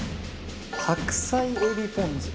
白菜エビぽん酢。